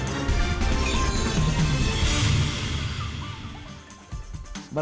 berlangganan dari dari